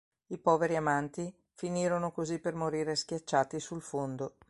I poveri amanti finirono così per morire schiacciati sul fondo.